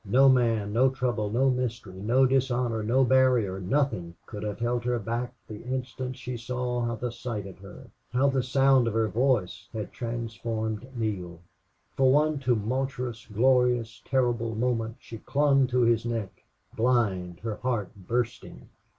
No man, no trouble, no mystery, no dishonor, no barrier nothing could have held her back the instant she saw how the sight of her, how the sound of her voice, had transformed Neale. For one tumultuous, glorious, terrible moment she clung to his neck, blind, her heart bursting.